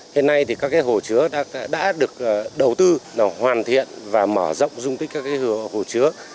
hiện nay thì các hồ chứa đã được đầu tư hoàn thiện và mở rộng dung tích các hồ chứa